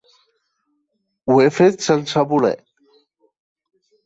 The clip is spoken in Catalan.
Ho he fet sense voler.